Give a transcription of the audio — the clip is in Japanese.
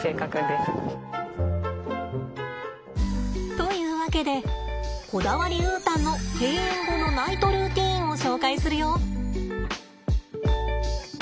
というわけでこだわりウータンの閉園後のナイトルーティンを紹介するよ。